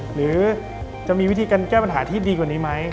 หรือจะมีวิธีการแก้ปัญหาที่ดีกว่านี้ไหม